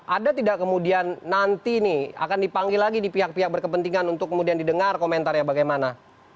ada tidak kemudian nanti ini akan dipanggil lagi di pihak pihak berkepentingan untuk kemudian didengar komentarnya bagaimana